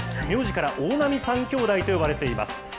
名字から大波３兄弟と呼ばれています。